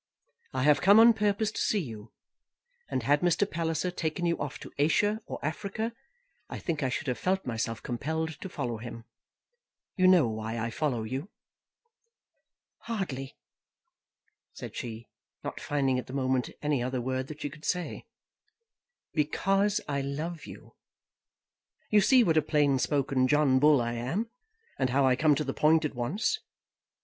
I have come on purpose to see you; and had Mr. Palliser taken you off to Asia or Africa, I think I should have felt myself compelled to follow him. You know why I follow you?" "Hardly," said she, not finding at the moment any other word that she could say. "Because I love you. You see what a plain spoken John Bull I am, and how I come to the point at once.